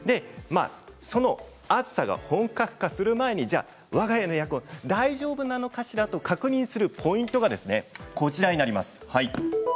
その暑さが本格化する前にわが家のエアコン大丈夫なのかしらと確認するポイントがあります。